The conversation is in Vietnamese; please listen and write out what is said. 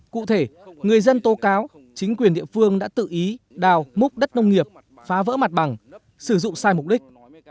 cụ thể người dân tố cáo chính quyền địa phương đã tự ý đào múc đất nông nghiệp phá vỡ mặt bằng sử dụng sai mục đích